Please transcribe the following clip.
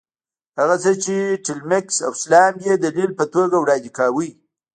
هغه څه چې ټیلمکس او سلایم یې دلیل په توګه وړاندې کاوه.